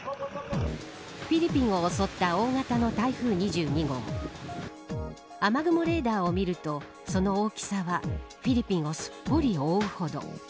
フィリピンを襲った大型の台風２２号雨雲レーダーを見るとその大きさはフィリピンをすっぽり覆うほど。